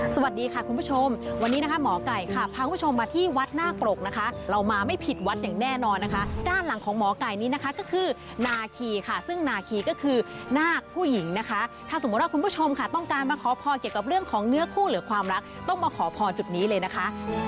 สวัสดีค่ะคุณผู้ชมวันนี้นะคะหมอไก่ค่ะพาคุณผู้ชมมาที่วัดนาคปรกนะคะเรามาไม่ผิดวัดอย่างแน่นอนนะคะด้านหลังของหมอไก่นี้นะคะก็คือนาคีค่ะซึ่งนาคีก็คือนาคผู้หญิงนะคะถ้าสมมุติว่าคุณผู้ชมค่ะต้องการมาขอพรเกี่ยวกับเรื่องของเนื้อคู่หรือความรักต้องมาขอพรจุดนี้เลยนะคะ